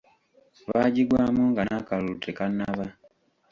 Baagigwamu nga n'akalulu tekannaba.